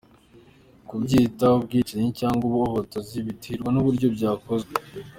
Kubyita ubwicanyi cyangwa ubuhotozi biterwa n’uburyo byakozwe.